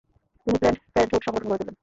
তিনি planned parenthood সংগঠন গড়ে তুলেন।